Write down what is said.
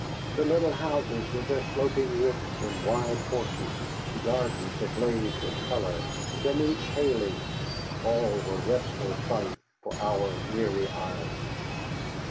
The little houses with their sloping roofs and wide porches, the gardens ablaze with color, the neat palings, all were a restful sight for our weary eyes.